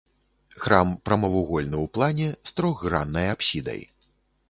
Храм прамавугольны ў плане, з трохграннай апсідай.